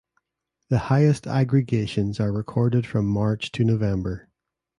The highest aggregations are recorded from March to November.